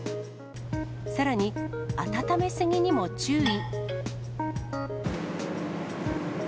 さらに、温めすぎにも注意。